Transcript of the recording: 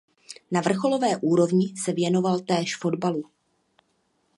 Na vrcholové úrovni se věnoval též fotbalu.